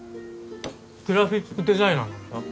グラフィックデザイナーなんだ。